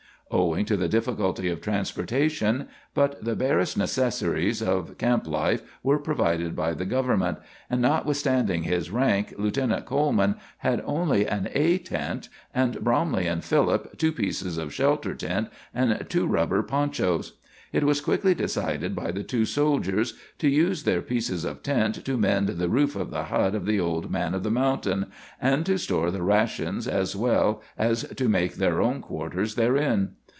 Owing to the difficulty of transportation, but the barest necessaries of camp life were provided by the government; and, notwithstanding his rank, Lieutenant Coleman had only an "A" tent, and Bromley and Philip two pieces of shelter tent and two rubber ponchos. It was quickly decided by the two soldiers to use their pieces of tent to mend the roof of the hut of the old man of the mountain, and to store the rations as well as to make their own quarters therein.